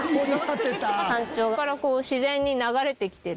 山頂から自然に流れてきてる。